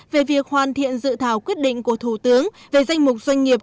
về việc hoàn thiện dự thảo quyết định của thủ tướng về danh mục doanh nghiệp